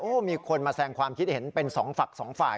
มีคนมาแสงความคิดเห็นเป็นสองฝั่งสองฝ่าย